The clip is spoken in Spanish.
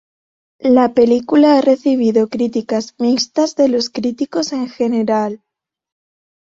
La película ha recibido críticas mixtas de los críticos en general.